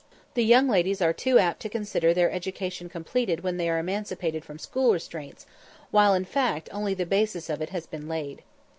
The young ladies are too apt to consider their education completed when they are emancipated from school restraints, while in fact only the basis of it has been laid.